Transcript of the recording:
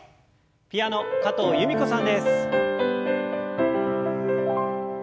ピアノ加藤由美子さんです。